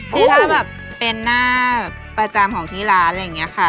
คือถ้าแบบเป็นหน้าประจำของที่ร้านอะไรอย่างนี้ค่ะ